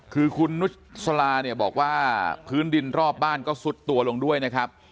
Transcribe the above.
คือคุณนุษลาเนี่ยบอกว่าพื้นดินรอบบ้านก็ซุดตัวลงด้วยนะครับ